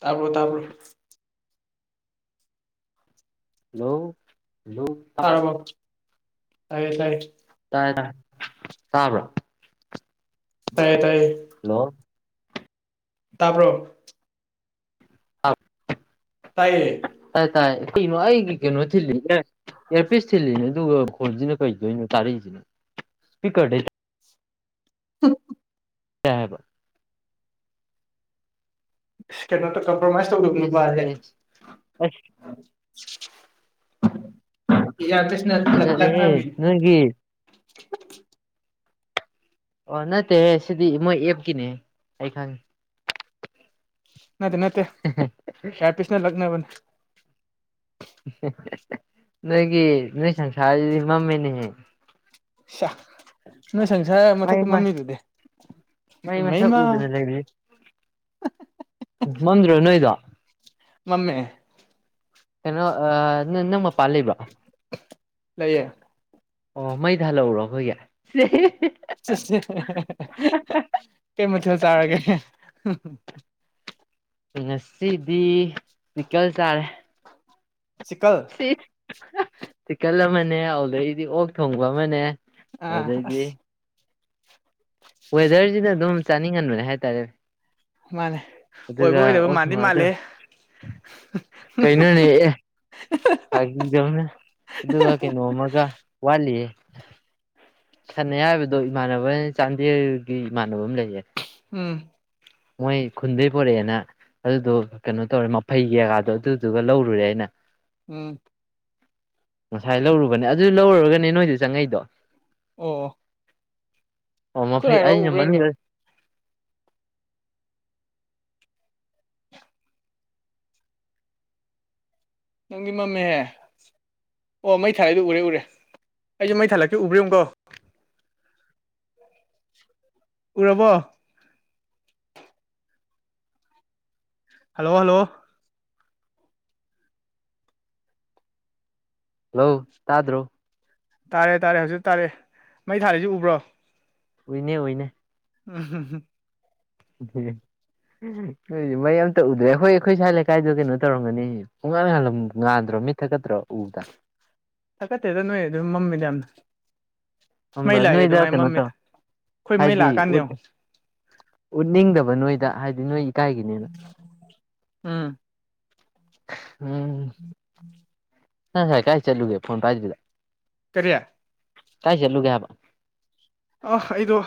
ꯇꯥꯕꯔꯣ ꯇꯥꯕꯔꯣ hello hello ꯇꯥꯔꯕꯣ ꯇꯥꯏ ꯇꯥꯏꯌꯦ ꯇꯥꯏꯌꯦ ꯇꯥꯔꯦ ꯇꯥꯔꯦ ꯇꯥꯕ꯭ꯔꯥ ꯇꯥꯏꯌꯦ ꯇꯥꯏꯌꯦ ꯍꯜꯂꯣ ꯇꯥꯕ꯭ꯔꯣ ꯑꯥꯎ ꯇꯥꯏꯌꯦ ꯇꯥꯏ ꯇꯥꯌꯦ ꯀꯩꯅꯣ ꯑꯩꯒꯤ ꯀꯩꯅꯣ ꯊꯤꯜꯂꯤꯖꯦ ꯏꯌꯔꯄꯤꯁ ꯊꯤꯜꯂꯤꯅꯦ ꯑꯗꯨꯒ ꯐꯣꯟꯁꯤꯅ ꯀꯩꯗꯣꯏꯅꯣ ꯇꯥꯔꯛꯏꯁꯤꯅ ꯁꯄꯤꯀꯔ [unintelligible] [unintelligible] ꯌꯥꯔꯕ ꯀꯩꯅꯣꯗ ꯀꯝꯄ꯭ꯔꯣꯃꯥꯏꯁ ꯇꯧꯗꯕ ꯑꯦꯁ ꯅꯨꯄꯥꯁꯦ ꯑꯦꯁ ꯑꯁ ꯏꯌꯔꯄꯤꯁꯅꯥ ꯌꯥ ꯐꯖꯔꯦꯍꯦ ꯇꯥꯗꯤ [unintelligible] ꯑꯣ ꯅꯠꯇꯦꯍꯦ ꯁꯤꯗꯤ ꯃꯣꯏ ꯑꯦꯞꯀꯤꯅꯦ ꯑꯩ ꯈꯪ ꯅꯠꯇꯦ ꯅꯠꯇꯦ [unintelligible] ꯏꯌꯥꯔꯄꯤꯁꯅ ꯂꯛꯅꯕꯅꯦ ꯅꯣꯏꯒꯤ ꯅꯣꯏ ꯁꯪꯁꯥꯔꯁꯤꯗꯤ ꯃꯝꯃꯦꯅꯦꯍꯦ ꯁꯤꯌꯥ ꯅꯣꯏ ꯁꯪꯁꯥꯔ ꯃꯥꯏ ꯃꯊꯛꯇꯥ ꯃꯥꯏ ꯃꯝꯃꯤꯗꯨꯗꯤ ꯃꯩ ꯏꯃꯩ ꯃꯁꯛ ꯏꯃꯥ ꯎꯗꯅ ꯃꯝꯗꯔꯣ ꯅꯣꯏꯗꯣ ꯃꯝꯃꯦ ꯀꯩꯅꯣ ꯅꯪ ꯅꯪ ꯃꯄꯥꯟ ꯂꯩꯕ꯭ꯔꯣ ꯂꯩꯌꯦ ꯑꯣ ꯃꯩ ꯊꯥꯂꯛꯎꯔꯣ ꯑꯩꯈꯣꯏꯒꯤ ꯀꯩ ꯃꯊꯦꯜ ꯆꯥꯔꯒꯦ ꯉꯁꯤꯗꯤ ꯆꯤꯛꯀꯜ ꯆꯥꯔꯦ ꯆꯤꯛꯀꯜ ꯇꯤꯛꯀꯜ ꯑꯃꯅꯦ ꯑꯗꯨꯗꯩꯗꯤ ꯑꯣꯛ ꯊꯣꯡꯕ ꯑꯃꯅꯦ ꯑꯥ ꯑꯗꯨꯗꯩꯗꯤ ꯑꯁ ꯋꯦꯗꯔꯖꯤꯅꯥ ꯑꯗꯨꯝ ꯆꯥꯅꯤꯡꯍꯟꯕꯅꯦ ꯍꯥꯏꯇꯥꯔꯦ ꯃꯥꯅꯦ ꯑꯣꯏꯕ ꯑꯗꯨꯗ ꯑꯣꯏꯗꯕ ꯑꯣꯛꯀꯤ ꯃꯥꯟꯗꯤ ꯋꯥꯗꯣ ꯃꯥꯜꯂꯦ ꯀꯩꯅꯣꯅꯦ ꯑꯦ ꯐꯥꯒꯤꯗꯧꯅꯥ ꯑꯗꯨꯒꯥ ꯀꯩꯅꯣ ꯑꯃꯒ ꯋꯥꯂꯤ ꯁꯟ ꯑꯌꯥꯏꯕꯗꯣ ꯏꯃꯥꯟꯅꯕ ꯆꯥꯟꯗꯦꯜꯒꯤ ꯏꯃꯥꯟꯅꯕ ꯑꯃ ꯂꯩꯌꯦ ꯎꯝ ꯃꯣꯏ ꯈꯨꯟꯗꯩ ꯄꯨꯔꯛꯑꯦꯅ ꯑꯗꯨꯗꯣ ꯀꯩꯅꯣ ꯇꯧꯔꯦ ꯃꯐꯩꯒꯤ ꯖꯒꯥꯗꯣ ꯑꯗꯨꯗꯨꯒ ꯂꯧꯔꯨꯔꯦ ꯑꯩꯅ ꯫ ꯎꯝ ꯉꯁꯥꯏ ꯂꯧꯔꯨꯕꯅꯦ ꯑꯗꯨ ꯂꯧꯔꯨꯔꯒꯅꯦ ꯅꯣꯏꯗ ꯆꯪꯉꯛꯏꯗꯣ ꯫ ꯑꯣ ꯑꯣ ꯈꯨꯠ ꯃꯐꯩ ꯍꯥꯏꯔꯛꯑꯣ ꯑꯩꯅ ꯎꯕ꯭ꯔ ꯌꯦꯡꯒꯦ [unintelligible] ꯅꯪꯗꯤ ꯃꯝꯃꯦꯍꯦ ꯑꯣ ꯃꯩ ꯊꯥꯂꯛꯗꯨ ꯎꯔꯦ ꯎꯔꯦ ꯑꯩꯁꯨ ꯃꯩ ꯊꯥꯂꯛꯀꯤ ꯎꯕ꯭ꯔꯌꯦꯡꯉꯨꯀꯣ ꯫ ꯎꯔꯕꯣ ꯍꯜꯂꯣ ꯍꯜꯂꯣ ꯍꯜꯂꯣ ꯇꯥꯗꯔꯣ ꯇꯥꯔꯦ ꯇꯥꯔꯦ ꯍꯧꯖꯤꯛꯇ ꯇꯥꯔꯦ ꯃꯩ ꯊꯥꯜꯂꯤꯁꯦ ꯎꯕ꯭ꯔꯣ ꯫ ꯎꯅꯦ ꯎꯅꯦ [unintelligible] ꯅꯣꯏ ꯃꯩ ꯑꯝꯇ ꯎꯗ꯭ꯔꯦ ꯑꯩꯈꯣꯏ ꯑꯩꯈꯣꯏ ꯁ꯭ꯋꯥꯏ ꯂꯩꯀꯥꯏꯗꯣ ꯀꯩꯅꯣ ꯇꯧꯔꯝꯒꯅꯤ ꯄꯨꯡꯉꯥꯟ ꯉꯥꯟꯗ꯭ꯔꯣ ꯃꯤꯠ ꯊꯛꯀꯗ꯭ꯔꯣ ꯎꯕꯗ ꯫ ꯊꯥꯀꯠꯇꯦꯗ ꯅꯣꯏ ꯑꯗꯨ ꯃꯝꯃꯤꯗ ꯌꯥꯝꯅ ꯫ ꯈꯝꯕ꯭ꯔ ꯅꯣꯏꯗ ꯀꯩꯅꯣ ꯇꯧ ꯑꯩꯈꯣꯏ ꯃꯩ ꯍꯥꯏꯗꯤ ꯂꯥꯛꯑꯀꯥꯟꯗ ꯎꯠꯂ ꯌꯦꯡꯉꯣ ꯎꯠꯅꯤꯡꯗꯕ ꯅꯣꯏꯗ ꯍꯥꯏꯗꯤ ꯅꯣꯏ ꯏꯀꯥꯏꯒꯤꯅꯦꯅ ꯫ ꯎꯝ ꯎꯝ [inaudible] ꯅꯪ ꯉꯁꯥꯏ ꯀꯥꯏ ꯆꯠꯂꯨꯒꯦ ꯐꯣꯟ ꯄꯥꯏꯗꯔꯤꯗꯣ ꯀꯔꯤ ꯀꯥꯏ ꯆꯠꯂꯨꯒꯦ ꯍꯥꯏꯕ ꯑꯣ ꯑꯩꯗꯣ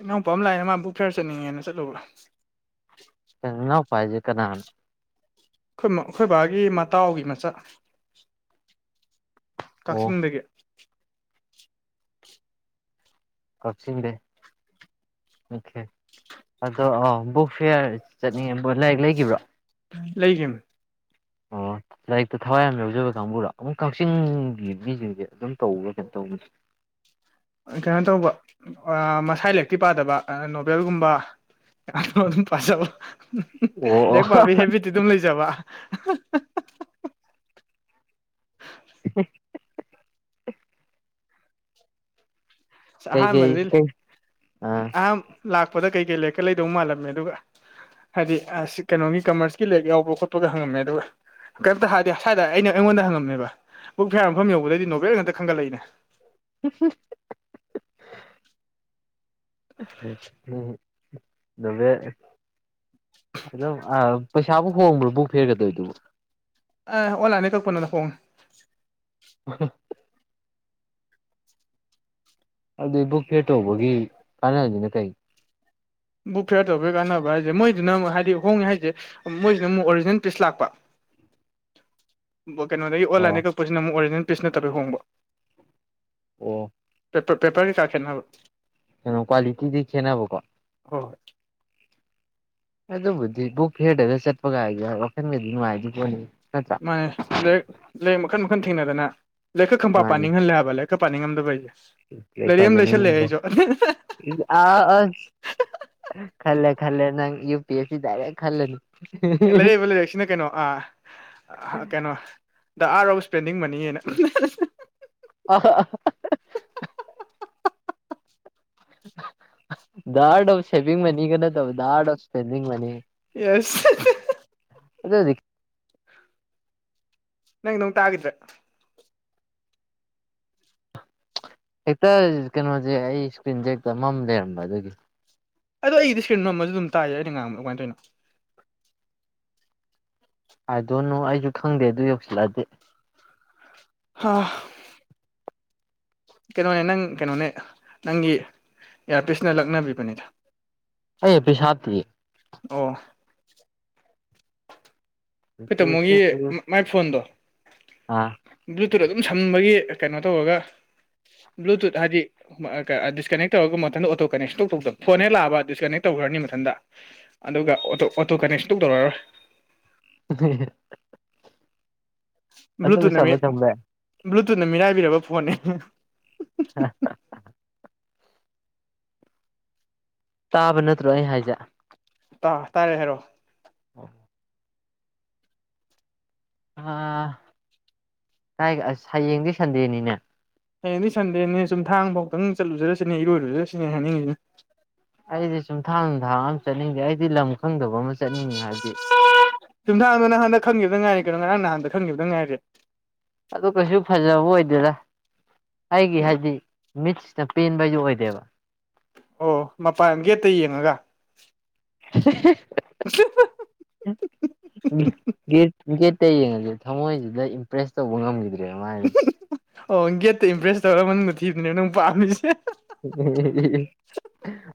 ꯏꯅꯥꯎꯄꯥ ꯑꯃ ꯂꯥꯛꯑꯅ ꯃꯥ ꯕꯨꯛ ꯐꯦꯔ ꯆꯠꯅꯤꯡꯉꯦꯅ ꯆꯠꯂꯨꯕ ꯫ ꯅꯅꯥꯎꯄ ꯍꯥꯏꯖ ꯀꯅꯥꯅꯣ ꯫ ꯑꯩꯈꯣꯏ ꯑꯩꯈꯣꯏ ꯕꯥꯒꯤ ꯃꯇꯥꯎꯒꯤ ꯃꯆꯥ ꯑꯣ ꯀꯛꯆꯤꯡꯗꯒꯤ ꯫ ꯀꯛꯆꯤꯡꯗꯒꯤ ꯑꯣꯀꯦ ꯑꯗꯣ ꯑꯣ ꯕꯨꯛ ꯐꯤꯌꯥꯔ ꯆꯠꯅꯤꯡꯉꯦ ꯂꯥꯏꯔꯤꯛ ꯂꯩꯈꯤꯕ꯭ꯔꯣ ꯫ ꯂꯩꯈꯤꯕꯅꯦ ꯑꯣ ꯂꯥꯏꯔꯤꯛꯇ ꯊꯋꯥꯏ ꯌꯥꯝ ꯌꯥꯎꯖꯕ ꯀꯥꯡꯕꯨꯔꯣ ꯑꯗꯣ ꯀꯛꯆꯤꯡꯒꯤ ꯃꯤꯁꯤꯡꯁꯦ ꯑꯗꯨꯝ ꯇꯧꯕ ꯀꯩꯅꯣ ꯇꯧꯕꯅꯦ ꯫ ꯀꯩꯅꯣ ꯇꯧꯕ ꯃꯁꯥ ꯂꯥꯏꯔꯤꯛꯇꯤ ꯄꯥꯗꯕ ꯅꯣꯕꯦꯜꯒꯨꯝꯕ ꯫ ꯑꯗꯨꯝ ꯄꯥꯖꯕ ꯑꯣ ꯑꯣ ꯂꯥꯏꯔꯤꯛ ꯄꯥꯕ ꯍꯦꯕꯤꯠꯇꯤ ꯑꯗꯨꯝ ꯂꯩꯖꯕ ꯫ [unintelligible] ꯑꯁ ꯀꯩꯀꯩ ꯑꯍꯥꯟꯕꯗꯤ ꯀꯩ ꯑ ꯑꯍꯥꯟ ꯂꯥꯛꯄꯗ ꯀꯩ ꯀꯩ ꯂꯥꯏꯔꯤꯛꯀ ꯂꯩꯗꯧ ꯃꯥꯜꯂꯝꯃꯦ ꯑꯗꯨꯒ ꯫ ꯍꯥꯏꯗꯤ ꯑꯁ ꯀꯩꯅꯣꯒꯤ ꯀꯃꯔꯁꯀꯤ ꯂꯥꯏꯔꯤꯛ ꯌꯥꯎꯕ ꯈꯣꯠꯄꯒ ꯍꯪꯉꯝꯃꯦ ꯑꯗꯨꯒ ꯫ ꯀꯔꯤꯝꯇ ꯍꯥꯏꯗꯦ ꯁꯥꯏꯗ ꯑꯩꯅ ꯑꯩꯉꯣꯟꯗ ꯍꯪꯉꯝꯃꯦꯕ ꯕꯨꯛ ꯐꯌꯥꯔ ꯃꯐꯝ ꯌꯧꯕꯗꯗꯤ ꯅꯣꯕꯦꯜ ꯉꯥꯛꯇ ꯈꯟꯒꯠꯂꯛꯏꯅꯦ ꯫ [unintelligible] ꯎꯝ ꯅꯣꯕꯦꯜ ꯫ ꯑꯗꯨꯝ ꯄꯩꯁꯥꯕꯨ ꯍꯣꯡꯕ꯭ꯔꯣ ꯕꯨꯛ ꯐꯦꯔꯒ ꯇꯧꯔꯤꯗꯨꯕꯨ ꯫ ꯑꯦ ꯑꯣꯟ ꯂꯥꯏꯟꯗꯒꯤ ꯀꯛ ꯄꯅꯥ ꯍꯣꯡꯉꯦ ꯫ [unintelligible] ꯑꯗꯨꯕꯨꯛ ꯐꯤꯔ ꯇꯧꯕꯒꯤ ꯀꯥꯟꯅꯕꯅꯤꯅ ꯀꯩꯒꯤ ꯕꯨꯛ ꯐꯤꯌꯥꯔ ꯇꯧꯕꯒꯤ ꯀꯥꯟꯅꯕ ꯍꯥꯏꯁꯦ ꯃꯣꯏꯗꯨꯅ ꯑꯃꯨꯛ ꯍꯥꯏꯗꯤ ꯍꯣꯡꯉꯦ ꯍꯥꯏꯁꯦ ꯫ ꯃꯣꯏꯁꯤꯅ ꯑꯃꯨꯛ ꯑꯣꯔꯤꯖꯤꯅꯦꯜ ꯄꯤꯁ ꯂꯥꯛꯄ ꯫ [inaudible] ꯀꯩꯅꯣꯗꯒꯤ ꯑꯣ ꯑꯣꯟꯂꯥꯏꯟꯗꯒꯤ ꯀꯛꯄꯁꯤꯅ ꯑꯃꯨꯛ ꯑꯣꯔꯤꯖꯤꯅꯦꯜ ꯄꯤꯁ ꯅꯠꯇꯕꯩ ꯍꯣꯡꯕ ꯫ ꯑꯣ ꯄꯦꯔ ꯄꯦꯄꯔꯒꯤ ꯀꯩ ꯀꯥ ꯈꯦꯠꯅꯕ ꯫ ꯀꯩꯅꯣ ꯀ꯭ꯋꯥꯂꯤꯇꯤꯗꯤ ꯈꯦꯠꯅꯕ ꯀꯣ ꯍꯣꯏ ꯑꯗꯨꯕꯨꯗꯤ ꯕꯨꯛ ꯐꯦꯔꯗꯅ ꯆꯠꯄ ꯀꯥꯏꯒꯤ ꯋꯥꯈꯜꯒꯗꯤ ꯅꯨꯡꯉꯥꯏꯔꯗꯤ ꯐꯣꯅꯤ ꯃꯥꯅꯦ ꯂꯥꯏꯔꯤꯛ ꯂꯥꯏꯔꯤꯛ ꯃꯈꯟ ꯃꯈꯜ ꯊꯦꯡꯅꯗꯅ ꯂꯥꯏꯛꯈꯛ ꯈꯪ ꯄ ꯄꯥ ꯃꯥꯅꯦ ꯅꯤꯡꯍꯜꯂꯦ ꯍꯥꯏꯕ ꯂꯥꯏ ꯈꯔ ꯄꯥꯅꯤꯡꯉꯝꯗꯕ ꯑꯩꯁꯦ ꯂꯩꯥꯏꯔꯛ ꯑꯃ ꯂꯩꯁꯜꯂꯑꯦ ꯑꯩꯁꯨ ꯑ ꯈꯜꯂꯦ ꯈꯜꯂꯦ ꯅꯪ ꯌꯨ ꯄꯤ ꯑꯦꯁ ꯁꯤ ꯇꯗꯥꯏꯔꯦ ꯈꯜꯂꯅꯤ ꯂꯩꯔꯛꯏꯕ ꯂꯥꯏꯔꯛꯁꯤꯅ ꯀꯩꯅꯣ ꯑ ꯀꯩꯅꯣ ꯗ ꯑꯥꯔ ꯑꯣꯐ ꯁ꯭ꯄꯦꯟꯗꯤꯡ ꯃꯅꯤꯉꯅ ꯑꯍ ꯑ ꯔꯐ ꯁꯦꯚ ꯃꯅꯤ ꯀꯩꯅ ꯇꯧꯕ ꯔ ꯁꯚ ꯃꯅꯤ ꯌꯦꯁ ꯑꯗꯨꯗ ꯅꯪ ꯅꯪ ꯇꯥꯒꯗ꯭ꯔꯦ ꯍꯦꯛꯇ ꯀꯩꯅꯣꯁꯦ ꯑꯩ ꯏꯁꯀ꯭ꯔꯤꯟꯁꯦ ꯍꯦꯛꯇ ꯑꯃꯝ ꯂꯩꯔꯝꯕ ꯑꯗꯨꯒꯤ ꯑꯗ ꯑꯩꯗꯤ ꯏꯁꯀꯔꯤꯟ ꯅꯝꯕꯔꯁꯨ ꯑꯗꯨꯝ ꯇꯥꯏꯌꯦ ꯑꯩꯅ ꯉꯥꯡꯕ ꯀꯃꯥꯏ ꯇꯧꯅꯣ ꯍꯥꯏꯗꯣꯏꯅꯨ ꯑꯩꯁꯨ ꯈꯪꯗꯦ ꯑꯗꯨ ꯌꯧꯁꯤꯜꯂꯛꯑꯗꯤ ꯍꯥ ꯀꯩꯅꯣꯅꯦ ꯅꯪ ꯀꯩꯅꯣꯅꯦ ꯅꯪꯒꯤ ꯏꯌꯥꯔꯄꯤꯁꯅ ꯂꯛꯅꯕꯤꯕꯅꯤꯗ ꯑꯩ ꯢꯌꯔꯄꯤꯁ ꯍꯥꯞꯇꯦꯌꯦ ꯑꯣ ꯑꯥ ꯑꯈꯣꯏ ꯇꯥꯃꯣꯒꯤ ꯃꯥꯏ ꯐꯣꯟꯗꯣ ꯑꯥ ꯕ꯭ꯂꯨꯇꯨꯠ ꯑꯗꯨꯝ ꯁꯝꯕꯒꯤ ꯀꯩꯅꯣ ꯇꯧꯔꯒ ꯕ꯭ꯂꯨꯇꯨꯠ ꯍꯥꯏꯗꯤ ꯗꯤꯁꯀꯅꯦꯛ ꯇꯧꯔꯒ ꯃꯊꯟꯗ ꯑꯣꯇꯣ ꯀꯅꯦꯛꯁ ꯇꯧꯊꯣꯛꯇꯕ ꯐꯣꯟ ꯍꯦꯛ ꯂꯥꯛꯑꯕ ꯗꯤꯁꯀꯅꯦꯛ ꯇꯧꯈ꯭ꯔꯅꯤ ꯃꯊꯟꯗ ꯑꯗꯨꯒ ꯑꯣꯇꯣ ꯑꯣꯇꯣ ꯀꯅꯦꯛꯁ ꯁꯨꯛꯇꯧ ꯇꯧꯔꯔꯣꯏ [unintelligible] ꯑꯗꯨꯝ ꯕ꯭ꯂꯨꯇꯨꯠꯅ ꯃꯤ ꯁꯝꯕ ꯊꯝꯕ ꯕ꯭ꯂꯨꯇꯨꯠꯅ ꯃꯤꯔꯥꯏꯕꯤꯔꯕ ꯐꯣꯟꯅꯤ ꯇꯥꯕ ꯅꯠꯇ꯭ꯔꯣ ꯑꯩ ꯍꯥꯏꯖꯦ ꯇꯥ ꯇꯥꯔꯦ ꯍꯥꯏꯔꯛꯑꯣ [inaudible] ꯥꯑ ꯑꯁ ꯍꯌꯦꯡꯗꯤ ꯁꯟꯗꯦꯅꯤꯅꯦ ꯍꯌꯦꯡꯗꯤ ꯁꯟꯗꯦꯅꯦ ꯁꯨꯝ ꯊꯥꯡꯐꯥꯎꯗꯪ ꯆꯠꯂꯨꯖꯔꯁꯤꯅꯦ ꯏꯔꯣꯏꯔꯨꯖꯔꯁꯤꯅꯦ ꯍꯥꯏꯅꯤꯡꯉꯤꯁꯤ ꯑꯩꯗꯤ ꯁꯨꯝ ꯊꯥꯡ ꯅꯨꯡ ꯊꯥꯡ ꯑꯃ ꯆꯠꯅꯤꯡꯗꯦ ꯑꯩꯗꯤ ꯂꯝ ꯈꯪꯗꯕ ꯑꯃ ꯆꯠꯅꯤꯡꯉꯦ ꯍꯥꯏꯕꯗꯤ ꯆꯨꯝꯊꯥꯡꯗꯨ ꯅꯪ ꯍꯟꯗꯛ ꯈꯪꯈꯤꯕꯗ ꯉꯥꯏꯔꯤ ꯀꯩꯅꯣ ꯉꯔꯥꯡ ꯅꯍꯥꯟꯗ ꯈꯪꯈꯤꯕꯗ ꯉꯥꯏꯔꯤ ꯑꯗꯨ ꯀꯩꯁꯨ ꯐꯖꯕ ꯑꯣꯏꯗꯣꯏꯗꯦ ꯑꯩꯒꯤ ꯍꯥꯏꯗꯤ ꯃꯤꯠꯁꯤꯅ ꯄꯦꯟꯕ ꯍꯥꯢꯗꯨ ꯑꯣꯏꯗꯦꯕ ꯑꯣ ꯃꯄꯥꯟ ꯒꯦꯠꯇ ꯌꯦꯡꯉꯒ [unintelligible] [unintelligible] [inaudible] ꯒꯦꯠꯇꯩ ꯌꯦꯡꯉꯁꯨ ꯊꯃꯣꯏꯁꯤꯗ ꯏꯝꯄ꯭ꯔꯦꯁ ꯇꯧꯕ ꯉꯝꯈꯤꯗ꯭ꯔꯦꯕ ꯃꯥꯥꯏꯗꯨ ꯑꯣ ꯒꯦꯠꯇ ꯏꯝꯄ꯭ꯔꯦꯁ ꯇꯧꯔ ꯃꯅꯨꯡꯗ ꯊꯤꯕꯅꯦ ꯅꯪ ꯄꯥꯝꯃꯤꯁꯦ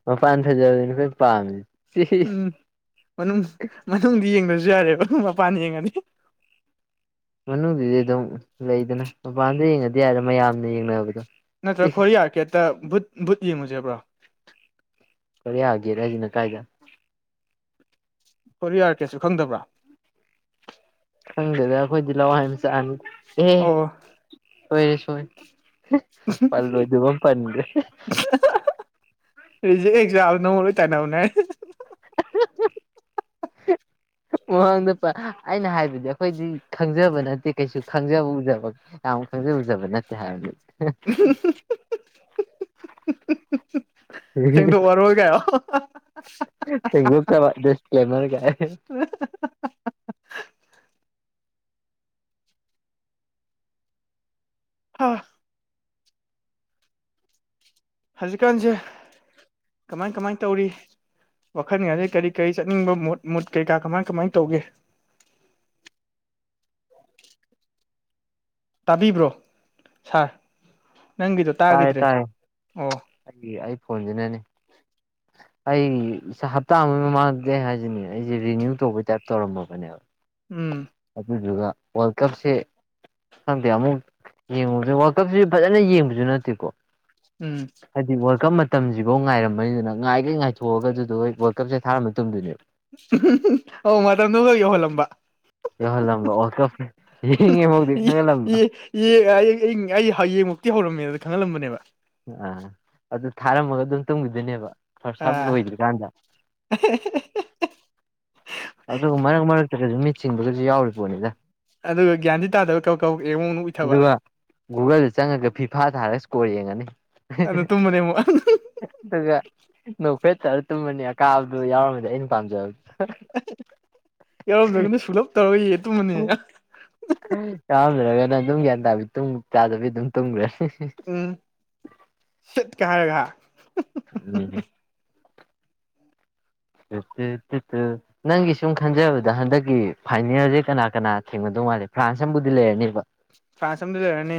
ꯃꯄꯥꯟ ꯐꯖꯕꯗꯨꯅꯤ ꯑꯈꯣꯢ ꯄꯥꯝꯃꯤ ꯎꯝ ꯃꯅꯨꯡ ꯃꯅꯨꯡꯗꯤ ꯌꯦꯡꯗ꯭ꯔꯁꯨ ꯌꯥꯔꯦꯕ ꯃꯄꯥꯟ ꯌꯦꯡꯉꯗꯤ ꯃꯅꯨꯡꯗꯨꯗꯤ ꯑꯗꯨꯝ ꯂꯩꯗꯅ ꯃꯄꯥꯟꯗ ꯌꯦꯡꯉꯗꯤ ꯌꯥꯔꯦ ꯃꯌꯥꯝꯅ ꯌꯦꯡꯅꯕꯗꯣ ꯅꯠꯇ꯭ꯔ ꯏꯁ ꯈꯣꯔꯤꯌꯤ ꯒꯦꯠꯇ ꯕꯨꯠ ꯕꯨꯠ ꯌꯦꯡꯉꯨꯁꯦꯕ꯭ꯔꯣ ꯀꯣꯔꯤꯌꯥ ꯒꯦꯠ ꯍꯥꯢꯁꯤꯅ ꯀꯥꯏꯗ ꯀꯣꯔꯤꯌꯥ ꯒꯦꯠꯁꯨ ꯈꯪꯗꯕ꯭ꯔꯥ ꯈꯪꯗꯦꯗ ꯑꯩꯈꯣꯏꯗꯤ ꯂꯥꯋꯥꯢ ꯃꯆꯥꯅꯤ ꯑꯦ ꯑꯣ ꯁꯣꯏꯔꯦ ꯁꯣꯏꯔꯦ ꯄꯜꯂꯣꯢꯗꯕ ꯑꯃ ꯄꯟꯒ꯭ꯔꯦ ꯔꯤꯖꯦꯛ ꯍꯦꯛ ꯆꯥꯕꯗ ꯅꯪꯉꯣꯟꯗ ꯂꯣꯢꯅ ꯇꯥꯢꯅꯕꯅꯤ [unintelligible] ꯃꯃꯥꯡꯗ ꯑꯩꯅ ꯍꯥꯏꯕꯗꯤ ꯑꯩꯈꯣꯏꯗꯤ ꯈꯪꯖꯕ ꯅꯠꯇꯦ ꯀꯩꯁꯨ ꯈꯪꯖꯕ ꯎꯖꯕ ꯌꯥꯝ ꯈꯪꯖ ꯎꯖꯕ ꯅꯠꯇꯦ ꯍꯥꯏꯕꯅꯤ [unintelligible] ꯁꯦꯡꯗꯣꯛꯑꯔꯣꯏ ꯀꯥꯏꯌꯣ ꯁꯦꯡꯗꯣꯛꯆꯕ ꯗꯤꯁꯀ꯭ꯂꯦꯃꯔ ꯒꯥꯢ ꯍꯥꯥ ꯍꯧꯖꯤꯛꯀꯥꯟꯁꯦ ꯀꯃꯥꯏ ꯀꯃꯥꯏ ꯇꯧꯔꯤ ꯋꯥꯈꯜꯒꯥꯡꯁꯦ ꯀꯔꯤ ꯀꯔꯤ ꯆꯠꯅꯤꯡꯕ ꯃꯨꯠ ꯃꯨꯠ ꯀꯩ ꯀꯥ ꯀꯃꯥꯏ ꯀꯃꯥꯏꯅ ꯇꯧꯒꯦ ꯇꯥꯕꯤꯕ꯭ꯔꯣ ꯁꯥꯔ ꯅꯪꯒꯤꯗꯣ ꯇꯥꯒꯤꯗ꯭ꯔꯦ ꯑꯣ ꯅꯠꯇꯦ ꯑꯩ ꯐꯣꯟꯁꯤꯅꯥꯅꯦ ꯑꯩ ꯍꯞꯇꯥ ꯑꯃꯒꯤ ꯃꯃꯥꯡꯗꯒꯤ ꯍꯥꯏꯁꯤꯅꯦ ꯑꯩꯁꯦ ꯔꯤꯅ꯭ꯌꯨ ꯇꯧꯕꯩ ꯇꯥꯏꯞ ꯇꯧꯔꯝꯃꯕꯅꯦ [unintelligible] ꯎꯝ ꯑꯗꯨꯗꯨꯒ ꯋꯥꯔꯜ ꯀꯞꯁꯦ ꯈꯪꯗꯦ ꯑꯃꯨꯛ ꯌꯦꯡꯉꯨ ꯋꯥꯔꯜ ꯀꯞꯁꯤ ꯐꯖꯅ ꯌꯦꯡꯕꯁꯨ ꯅꯠꯇꯦꯀꯣ ꯎꯝ ꯍꯥꯏꯗꯤ ꯋꯥꯔꯜ ꯀꯞ ꯃꯇꯝꯁꯤꯐꯧ ꯉꯥꯏꯔꯝꯃꯅꯤꯗꯨꯅ ꯉꯥꯏꯈꯩ ꯉꯥꯏꯊꯣꯛꯑꯒꯗꯨꯗꯣ ꯍꯣꯏ ꯋꯥꯔꯜ ꯀꯞꯁꯦ ꯊꯥꯔ ꯃꯇꯝꯗꯨꯅꯦꯕ ꯑꯣ ꯃꯇꯝꯗꯨ ꯈ ꯌꯧꯍꯜꯂꯝꯕ ꯌꯧꯍꯜꯂꯝꯕ ꯑꯣꯇꯣ ꯌꯦꯡꯉꯦ ꯍꯧꯨꯗꯤ ꯈꯪꯒꯜꯂꯝꯕ ꯑꯩ ꯍꯌꯦꯡꯃꯛꯇꯤ ꯍꯧꯔꯝꯃꯦ ꯑꯗꯨꯗ ꯈꯪꯍꯜꯂꯝꯕꯅꯦꯕ ꯑ ꯑꯗꯨ ꯊꯥꯔꯝꯃꯒ ꯑꯗꯨꯝ ꯇꯧꯤꯗꯣꯏꯅꯦꯕ ꯐꯔꯁꯞ ꯂꯣꯏꯗ꯭ꯔꯤꯀꯥꯟꯗ ꯑ [inaudible] ꯑꯗꯨ ꯃꯌꯥ ꯆꯠꯇꯁꯨ ꯃꯤꯠ ꯆꯤꯡꯕꯒꯁꯨ ꯌꯥꯎꯔꯤ ꯄꯣꯠꯅꯤꯗ ꯑꯗꯨꯒ ꯒ꯭ꯌꯥꯟꯗꯤ ꯇꯥꯗꯕ ꯀꯧ ꯀꯧ ꯑꯃꯨꯛ ꯎꯏꯊꯕ ꯑꯗꯨꯒ ꯒꯨꯒꯜꯗ ꯆꯪꯉꯒ ꯐꯤꯐꯥ ꯊꯥꯔꯒ ꯏꯁꯀꯣꯔ ꯌꯦꯡꯉꯅꯤ ꯑꯗꯨꯗ ꯇꯨꯝꯃꯅꯦ ꯑꯃꯨꯛ ꯑꯗꯨꯒ ꯅꯣꯛꯈꯦ ꯇꯔ ꯇꯨꯝꯃꯅꯤ ꯑꯀꯥꯕꯗꯨ ꯌꯥꯎꯔꯝꯃꯗꯤ ꯑꯩꯅ ꯄꯥꯝꯖꯕ ꯌꯥꯎꯔꯝꯗ꯭ꯔꯒꯅ ꯁꯨꯡꯂꯞ ꯇꯧꯔꯏ ꯇꯨꯝꯃꯅꯤ ꯆꯥꯔꯝꯗ꯭ꯔꯒꯅ ꯑꯗꯨꯝ ꯒ꯭ꯌꯥꯟ ꯇꯥ ꯆꯥꯗꯕꯤ ꯑꯗꯨꯝ ꯇꯨꯝꯈ꯭ꯔꯅꯤ ꯎꯝ ꯁꯤꯠ ꯀꯔꯒ ꯎꯝꯠꯇꯠꯇꯠꯇ ꯅꯪꯒꯤ ꯁꯨꯝ ꯈꯟꯖꯕꯗ ꯍꯟꯗꯛꯀꯤ ꯐꯥꯏꯅꯦꯜꯁꯦ ꯀꯅꯥ ꯀꯅꯥ ꯊꯦꯡꯒꯗꯧ ꯃꯥꯜꯂꯦ ꯐ꯭ꯔꯥꯟꯁ ꯑꯃꯕꯨꯗꯤ ꯂꯩꯔꯅꯦꯕ ꯐꯁꯝꯗꯨ ꯂꯩꯔꯅꯤ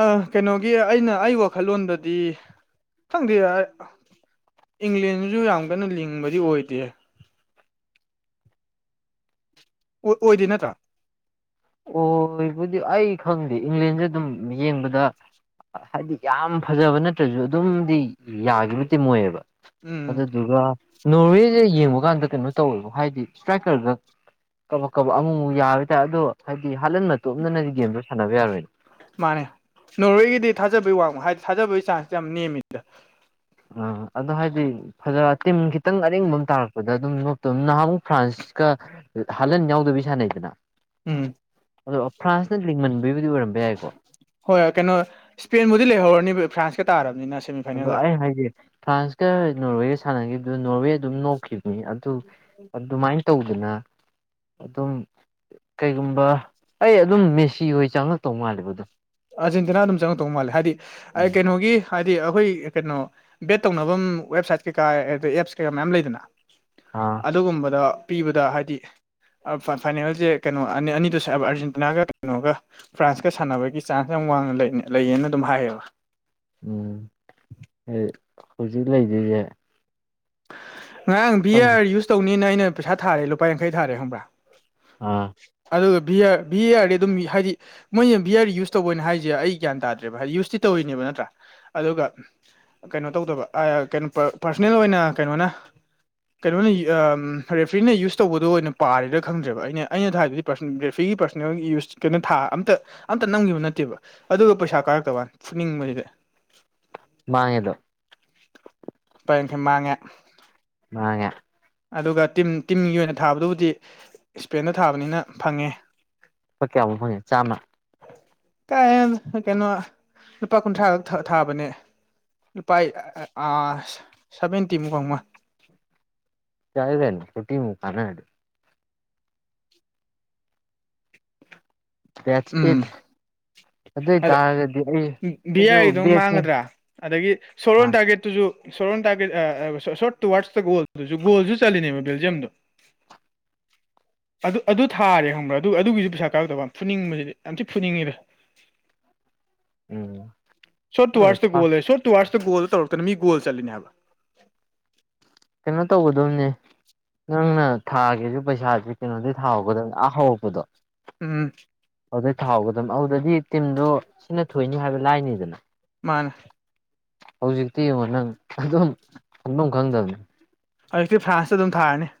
ꯑ ꯀꯩꯅꯣꯒꯤ ꯑꯩꯅ ꯑꯩ ꯋꯥꯈꯜꯂꯣꯟꯗꯗꯤ ꯈꯪꯗꯦ ꯏꯪꯂꯦꯟꯁꯨ ꯌꯥꯝ ꯀꯟꯅ ꯂꯤꯡꯕꯗꯤ ꯑꯣꯏꯗꯦ ꯑꯣꯏꯗꯦ ꯅꯠꯇ꯭ꯔꯥ ꯑꯣꯏꯕꯨꯗꯤ ꯑꯩ ꯈꯪꯗꯦ ꯏꯪꯂꯦꯟꯁꯦ ꯑꯗꯨꯝ ꯌꯦꯡꯕꯗ ꯍꯥꯏꯗꯤ ꯌꯥꯝ ꯐꯖꯕ ꯅꯠꯇ꯭ꯔꯁꯨ ꯑꯗꯨꯝꯗꯤ ꯌꯥꯒꯤꯕꯇ ꯃꯣꯏꯑꯕ ꯎꯝ ꯑꯗꯨꯒ ꯅꯣꯔꯋꯦꯁꯦ ꯌꯦꯡꯕ ꯀꯥꯟꯗ ꯀꯩꯅꯣ ꯇꯧꯋꯦꯕ ꯍꯥꯏꯗꯤ ꯏꯁꯇ꯭ꯔꯥꯏꯀꯔꯒ ꯀꯕꯛ ꯀꯕꯛ ꯑꯃꯨꯛꯃꯨꯛ ꯌꯥꯔ ꯍꯥꯏ ꯇꯔ ꯑꯗꯣ ꯍꯥꯏꯗꯤ ꯍꯥꯜꯍꯟ ꯃꯇꯣꯝꯗꯅꯗꯤ ꯒꯦꯝꯗꯣ ꯁꯥꯟꯅꯕ ꯌꯥꯔꯣꯏꯅꯦ ꯃꯥꯅꯦ ꯅꯣꯔꯋꯦꯒꯤꯗꯤ ꯊꯥꯖꯕꯩ ꯋꯥꯡꯕ ꯍꯥꯏꯗꯤ ꯊꯥꯖꯕꯒꯤ ꯆꯥꯟꯁ ꯌꯥꯝ ꯅꯦꯝꯃꯤꯗ ꯑ ꯑꯗꯨꯣ ꯍꯥꯏꯗꯤ ꯐꯖ ꯇꯤꯝ ꯈꯤꯇꯪ ꯑꯔꯦꯡꯕ ꯑꯃ ꯇꯥꯔꯛꯄꯗ ꯑꯗꯨꯝ ꯅꯣꯞꯇꯣꯕ ꯅꯍꯥꯟꯃꯨꯛ ꯐ꯭ꯔꯥꯟꯁꯀ ꯍꯜꯂꯟ ꯌꯥꯎꯗꯕꯤ ꯁꯥꯟꯅꯩꯗꯅ ꯎꯝ ꯑꯗꯣ ꯐ꯭ꯔꯥꯟꯁꯅ ꯂꯤꯡꯃꯟꯕꯒꯤꯕꯨꯗꯤ ꯑꯣꯏꯔꯝꯕ ꯌꯥꯏꯀꯣ ꯍꯣꯏ ꯍꯣꯏ ꯀꯩꯅꯣ ꯁ꯭ꯄꯦꯟꯕꯨꯗꯤ ꯂꯩꯍꯧꯔꯅꯤꯕ ꯐ꯭ꯔꯥꯟꯁꯀ ꯇꯥꯔꯕꯅꯤꯅꯁ ꯑꯗꯣ ꯑꯩ ꯍꯥꯏꯁꯦ ꯐ꯭ꯔꯥꯟꯁꯀ ꯅꯣꯔꯋꯦꯒ ꯁꯥꯟꯅꯈꯤꯕꯗꯨꯣ ꯅꯣꯔꯋꯦ ꯑꯗꯨꯝ ꯅꯣꯛꯈꯤꯕ ꯑꯗꯨ ꯑꯗꯨꯃꯥꯏꯅ ꯇꯧꯗꯅ ꯑꯗꯨꯝ ꯀꯩꯒꯨꯝꯕ ꯑꯩ ꯑꯗꯨꯝ ꯃꯦꯁꯤ ꯍꯣꯏ ꯆꯪꯉꯛꯇꯧ ꯃꯥꯜꯂꯦꯕ ꯑꯗꯨꯝ ꯑꯥꯔꯖꯦꯟꯇꯤꯅꯥ ꯑꯗꯨꯝ ꯆꯪꯉꯛꯇꯧ ꯃꯥꯜꯂꯦ ꯍꯥꯏꯗꯤ ꯎꯝ ꯀꯩꯅꯣꯒꯤ ꯍꯥꯏꯗꯤ ꯑꯩꯈꯣꯏ ꯀꯩꯅꯣ ꯕꯦꯠ ꯇꯧꯐꯝ ꯋꯦꯕꯁꯥꯏꯠ ꯀꯩꯀꯥ ꯑꯗ ꯑꯦꯞꯁ ꯀꯩꯀ ꯃꯌꯥꯝ ꯂꯩꯗꯅ ꯑꯥ ꯑꯗꯨꯒꯨꯝꯕꯗ ꯄꯤꯕꯗ ꯍꯥꯏꯗꯤ ꯐꯥꯏꯅꯦꯜꯁꯦ ꯀꯩꯅꯣ ꯑꯅꯤ ꯑꯅꯤꯗ ꯁꯕ ꯑꯥꯔꯖꯦꯟꯇꯤꯅꯥꯒ ꯀꯩꯅꯣꯒ ꯐ꯭ꯔꯥꯟꯁꯀ ꯁꯥꯟꯅꯕꯒꯤ ꯆꯥꯟꯁ ꯌꯥꯝ ꯋꯥꯡꯅ ꯂꯩ ꯂꯩꯌꯦꯅ ꯑꯗꯨꯝ ꯍꯥꯏꯌꯦꯕ ꯎꯝ ꯍꯧꯖꯤꯛ ꯂꯩꯔꯤꯁꯦ ꯉꯔꯥꯡ ꯕꯤ ꯈꯪꯗꯦ ꯑꯥꯔ ꯌꯨꯁ ꯇꯧꯅꯤꯅ ꯑꯩꯅ ꯄꯩꯁꯥ ꯊꯔꯦ ꯂꯨꯄꯥ ꯌꯥꯡꯈꯩ ꯊꯥꯔꯦ ꯍꯪꯕ꯭ꯔꯥ ꯑꯥ ꯑꯗꯨꯒ ꯕꯤ ꯑꯥꯔ ꯕꯤ ꯑꯦ ꯑꯥꯔꯗꯤ ꯑꯗꯨꯝ ꯍꯥꯏꯗꯤ ꯃꯣꯏꯅ ꯚꯌꯔ ꯌꯨꯁ ꯇꯧꯕꯅ ꯍꯥꯏꯁꯦ ꯑꯩ ꯒ꯭ꯌꯥꯟ ꯇꯥꯗ꯭ꯔꯦꯕ ꯍꯥꯏꯗꯤ ꯌꯨꯁꯇꯤ ꯇꯧꯔꯤꯅꯦꯕ ꯅꯠꯇ꯭ꯔꯥ ꯑꯗꯨꯒ ꯀꯩꯅꯣ ꯇꯧꯗꯕ ꯀꯩꯅꯣ ꯄꯥꯔꯁꯣꯅꯦꯜ ꯑꯣꯏꯅ ꯀꯩꯅꯣꯅ ꯀꯩꯅꯣꯅ ꯔꯦꯐ꯭ꯔꯤꯖꯅ ꯌꯨꯁ ꯇꯧꯕꯗꯣ ꯑꯣꯏꯅ ꯄꯥꯔꯦꯗ ꯈꯪꯗ꯭ꯔꯦꯕ ꯑꯩꯅ ꯑꯩꯅꯗ ꯍꯥꯏꯕꯗꯤ ꯄꯔꯁꯣꯅꯦꯜ ꯒ꯭ꯔꯥꯐꯤꯒꯤ ꯄꯔꯁꯣꯅꯦꯜ ꯌꯨꯁ ꯀꯩꯅꯣ ꯊꯥ ꯑꯝꯇ ꯑꯝꯇ ꯅꯝꯈꯤꯕ ꯅꯠꯇꯦꯕ ꯑꯗꯨꯒ ꯄꯩꯁꯥ ꯀꯥꯔꯛꯇꯕꯅꯤ ꯐꯨꯅꯤꯡꯕꯁꯤꯗ ꯃꯥꯦꯗꯣ ꯂꯨꯄꯥ ꯌꯥꯡꯈꯩ ꯃꯥꯡꯉꯦ ꯃꯥꯉꯦ ꯑꯗꯨꯒ ꯇꯤꯝ ꯇꯤꯝꯒꯤ ꯑꯣꯏꯅ ꯊꯥꯕꯗꯨꯕꯨꯗꯤ ꯏꯁꯄꯦꯟꯗ ꯊꯥꯕꯅꯤꯅ ꯐꯪꯉꯦ ꯂꯄꯥ ꯀꯌꯥꯨꯥꯎ ꯐꯪꯉꯦ ꯆꯥꯝꯃ ꯀꯥꯏ ꯍ ꯀꯩꯅꯣ ꯂꯨꯄꯥ ꯀꯨꯟꯊ꯭ꯔꯥꯗ ꯊꯥꯕꯅꯦ ꯂꯨꯄꯥꯥꯏ ꯁꯚꯦꯟꯇꯤꯃꯨꯀꯥꯎ ꯑꯃ ꯆꯗꯅ ꯔꯣꯇꯤꯃ ꯀꯅꯥꯥꯏ ꯑꯗꯨ ꯆ ꯑꯦꯠ ꯎꯝ ꯑꯗ ꯚꯤ ꯑꯩꯁꯨ ꯑꯔꯤ ꯑꯗꯨꯝ ꯕꯦꯠꯁꯦ ꯃꯥꯡꯒꯗ꯭ꯔꯥ ꯑꯗꯒꯤ ꯁꯣꯔꯣꯟ ꯑꯥ ꯇꯥꯔꯒꯦꯠ ꯨ ꯁꯣꯟ ꯇ ꯁꯣꯔꯠ ꯇꯨꯔꯁꯇꯒꯣꯜ ꯒꯣꯜꯁꯨ ꯆꯠꯂꯤꯅꯦꯕ ꯕꯦꯜꯌꯝꯗꯣ [unintelligible] ꯑꯗꯨ ꯑꯗꯨ ꯊꯥꯔꯦ ꯈꯪꯕ꯭ꯔꯥ ꯑꯗꯨ ꯑꯗꯨꯒꯤꯁꯨ ꯄꯩꯁꯥ ꯀꯥꯔꯗꯕ ꯐꯨꯅꯤꯡꯕꯁꯤꯗꯤ ꯌꯥꯝ ꯊꯤꯛ ꯐꯨꯅꯤꯡꯉꯤꯗ ꯎꯝ ꯁꯣꯔꯠ ꯇꯨꯋꯔꯁ ꯒꯣꯜ ꯂꯩ ꯁꯣꯔꯠ ꯇꯨꯔꯁ ꯣꯗ ꯇꯧꯔꯛꯇꯅ ꯃꯤ ꯣꯜꯠꯂꯤꯅꯤꯅꯦꯕ ꯀꯩꯅꯣ ꯇꯧꯒꯗꯣꯕꯅꯦ ꯅꯪꯅ ꯊꯥꯒꯦꯁꯨ ꯄꯩꯁꯥꯥꯁꯦ ꯀꯩꯅꯣꯗꯤ ꯊꯥꯎꯍꯧꯒꯗꯧꯅ ꯑꯥꯍꯔꯛꯄꯗꯣ ꯎꯝ ꯑꯗꯨꯗꯩ ꯊꯥꯎꯒꯗꯕ ꯑꯗꯨꯗꯗꯤ ꯇꯤꯝꯗꯣ ꯁꯤꯅ ꯊꯣꯏꯅꯤ ꯍꯥꯏꯕ ꯂꯥꯏꯅꯤꯗꯅ ꯃꯥꯅꯦ ꯍꯧꯖꯤꯛꯇꯤ ꯌꯦꯡꯉꯣ ꯅꯪ ꯑꯗꯨꯝ ꯈꯪꯐꯝ ꯈꯪꯗꯕꯅꯤ ꯍꯧꯖꯤꯛꯇꯤ ꯐ꯭ꯔꯥꯟꯁꯇ ꯑꯗꯨꯝ ꯊꯥꯔꯅꯤ